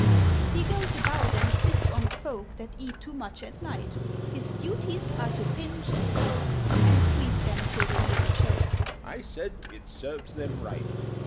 "He goes about and sits on folk That eat too much at night: His duties are to pinch, and poke, And squeeze them till they nearly choke." (I said "It serves them right!")